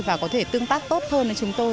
và có thể tương tác tốt hơn với chúng tôi